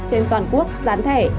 trên toàn quốc gián thẻ